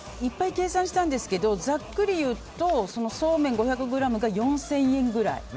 いっぱい計算したんですけどざっくりいうとそうめん５００ｇが４０００円くらい。